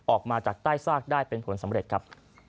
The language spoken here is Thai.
ออกมาจากใต้ซากได้เป็นผลสำเร็จครับ